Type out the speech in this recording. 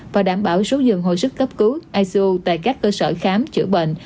và đảm bảo số dường hồi sức cấp cứu ico tại các cơ sở khám chữa bệnh